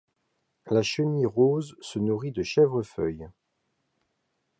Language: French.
La chenille rose se nourrit de chèvrefeuilles.